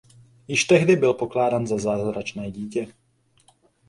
Již tehdy byl pokládán za zázračné dítě.